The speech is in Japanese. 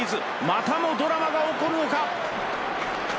またもドラマが起こるのか。